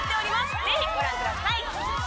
ぜひご覧ください。